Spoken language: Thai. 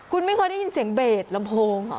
คุณไม่ค่อยได้ยินเสียงเบตละโพง